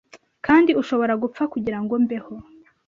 Kandi ushobora gupfa kugirango mbeho